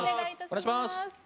お願いします！